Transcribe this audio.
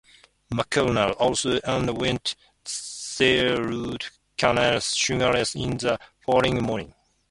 MacDonald also underwent three root canal surgeries the following morning.